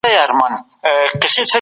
موږ د سياست په اړه رشتیا وايو.